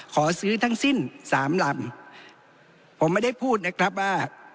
ขอซื้อทั้งสิ้นสามลำผมไม่ได้พูดนะครับว่า